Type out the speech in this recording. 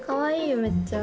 めっちゃ。